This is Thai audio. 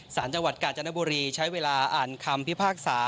สารจังหวัดกาญจนบุรีใช้เวลาอ่านคำพิพากษา